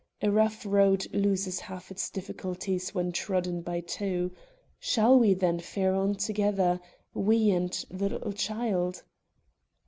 A rough road loses half its difficulties when trodden by two. Shall we, then, fare on together we and the little child?"